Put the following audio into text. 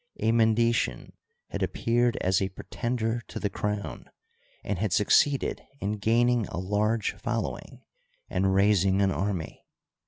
A Mendesian had appeared as a pretender to the crown, and had succeeded in gaining a large following and raising an army.